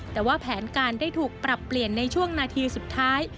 แต่ว่าแผนการได้ถูกปรับเปลี่ยนในช่วงนาทีสุดท้าย